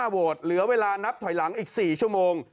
โหวตเหลือเวลานับถอยหลังอีก๔ชั่วโมง